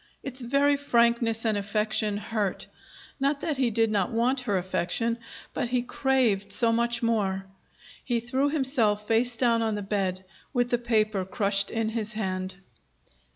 Its very frankness and affection hurt not that he did not want her affection; but he craved so much more. He threw himself face down on the bed, with the paper crushed in his hand.